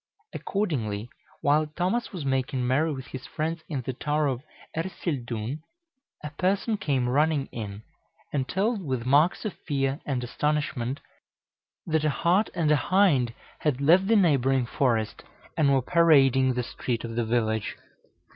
Accordingly, while Thomas was making merry with his friends in the Tower of Ercildoune, a person came running in, and told, with marks of fear and astonishment, that a hart and a hind had left the neighboring forest, and were parading the street of the village.